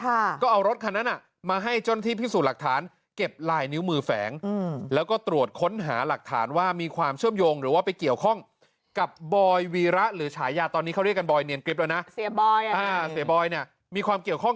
ค่ะก็เอารถคันนั้นอ่ะมาให้จนที่พิสูจน์หลักฐานเก็บลายนิ้วมือแฝง